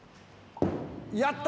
やった！